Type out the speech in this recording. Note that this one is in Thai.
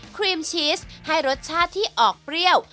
ครีมชีสให้รสชาติที่ออกเปรี้ยว